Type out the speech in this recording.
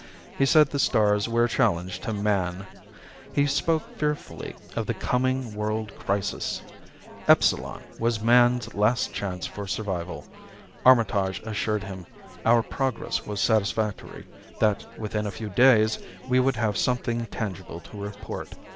He said the stars were a challenge to Man. He spoke fearfully of the Coming World Crisis. Epsilon was Man's last chance for survival. Armitage assured him our progress was satisfactory, that within a few days we would have something tangible to report.